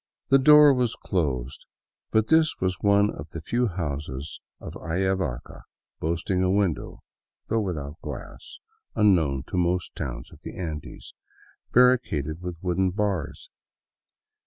The door was closed ; but this was one of the few houses of Ayavaca boasting a window — though with out glass, unknown to most towns of the Andes — barricaded with wooden bars.